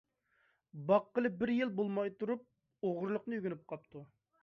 باققىلى بىر يىل بولماي تۇرۇپ، ئوغرىلىقنى ئۆگىنىپ قاپتۇ.